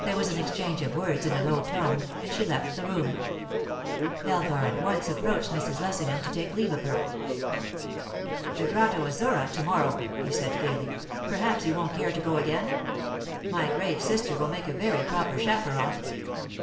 There was an exchange of words in a low tone, and she left the room. Elgar at once approached Mrs. Lessingham to take leave of her. "The Grotta Azzurra to morrow," he said gaily. "Perhaps you won't care to go again? My grave sister will make a very proper chaperon."